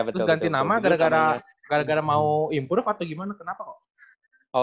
terus ganti nama gara gara mau improve atau gimana kenapa kok